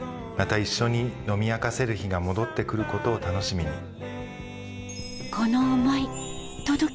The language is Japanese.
また一緒に飲み明かせる日が戻ってくることを楽しみに」。